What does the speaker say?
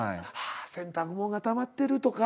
洗濯物がたまってるとか。